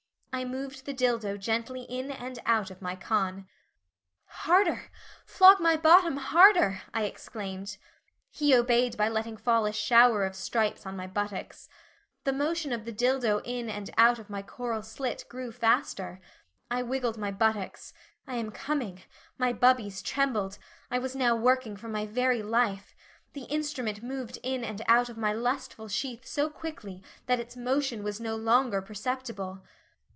I moved the dildo gently in and out of my con. "Harder, flog my bottom harder," I exclaimed. He obeyed by letting fall a shower of stripes on my buttocks. The motion of the dildo in and out of my coral slit grew faster. I wriggled my buttocks I am coming my bubbies trembled I was now working for my very life the instrument moved in and out of my lustful sheath so quickly that its motion was no longer perceptible.